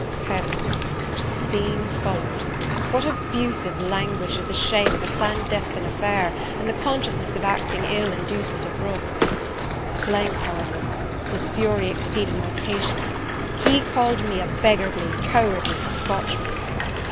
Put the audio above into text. Heavens! what a scene followed! what abusive language did the shame of a clandestine affair, and the consciousness of acting ill, induce me to brook! At length, however, his fury exceeded my patience, he called me a beggarly, cowardly Scotchman.